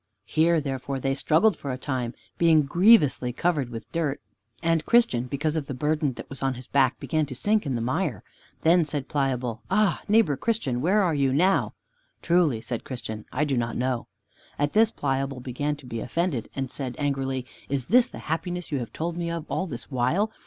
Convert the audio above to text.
Here therefore they struggled for a time, being grievously covered with dirt. And Christian, because of the burden that was on his back, began to sink in the mire. Then said Pliable, "Ah, Neighbor Christian, where are you now?" "Truly," said Christian, "I do not know." At this Pliable began to be offended, and said angrily, "Is this the happiness you have told me of all this while?